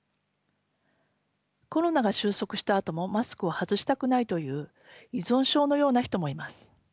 コロナが収束したあともマスクを外したくないという依存症のような人もいます。